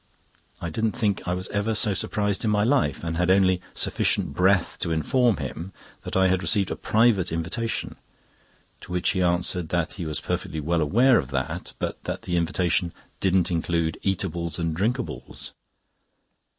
I don't think I was ever so surprised in my life, and had only sufficient breath to inform him that I had received a private invitation, to which he answered that he was perfectly well aware of that; but that the invitation didn't include eatables and drinkables.